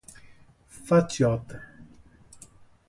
Fatiota